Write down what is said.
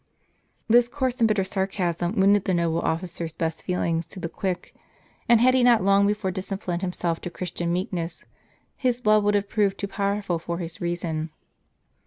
This coarse and bitter sarcasm w^ounded the noble officer's best feelings to the quick ; and had he not long before disci plined himself to Christian meekness, his blood would have proved too powerful for his reason.